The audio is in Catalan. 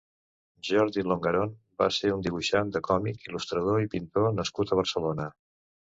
Jordi Longarón va ser un dibuixant de còmic, il·lustrador i pintor nascut a Barcelona.